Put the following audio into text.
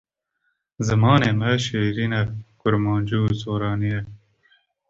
Zimanê me şêrîn e kurmancî û soranî ye.